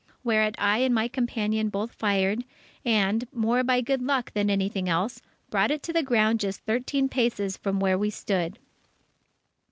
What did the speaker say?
Whereat I and my companion both fired, and, more by good luck than anything else, brought it to the ground just thirteen paces from where we stood.